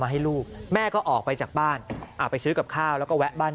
ให้ลูกแม่ก็ออกไปจากบ้านไปซื้อกับข้าวแล้วก็แวะบ้าน